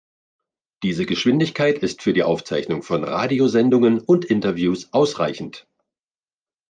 Diese Geschwindigkeit ist für die Aufzeichnung von Radiosendungen und Interviews ausreichend.